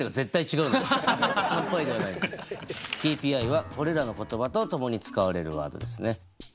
ＫＰＩはこれらの言葉と共に使われるワードですね。